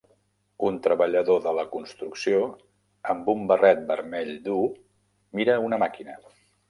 Un treballador de la construcció amb un barret vermell dur mira una màquina.